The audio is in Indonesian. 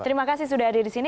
terima kasih sudah ada di sini